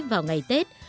vào ngày tết